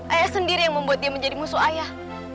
ayah sendiri yang membuat dia menjadi musuh ayah